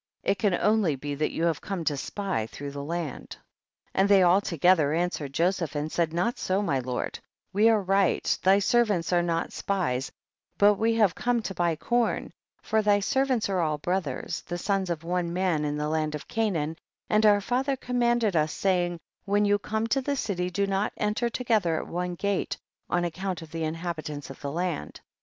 it can only be that you have come to spy through the land. 23. And they all together answer ed Joseph, and said, not so my lord, we are right, thy servants are not spies, but we have come to buy corn, for thy servants are all brothers, the sons of one man in the land of Ca naan, and our father commanded us, saying, when you come to the city do not enter together at one gate on account of the inhabitants of the land.